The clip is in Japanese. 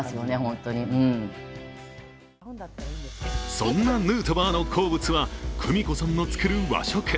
そんなヌートバーの好物は久美子さんの作る和食。